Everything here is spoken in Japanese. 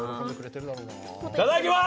いただきます！